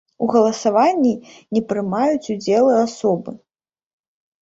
У галасаванні не прымаюць удзелу асобы.